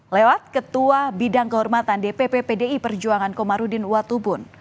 lewat ketua bidang kehormatan dpp pdi perjuangan komarudin watubun